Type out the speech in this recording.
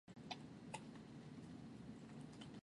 Qua phần diễn đọc của Đình Soạn